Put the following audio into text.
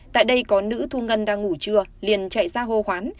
tại đây có nữ thu ngân đang ngủ trưa liền chạy ra hô hoán